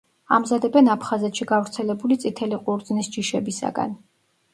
ამზადებენ აფხაზეთში გავრცელებული წითელი ყურძნის ჯიშებისაგან.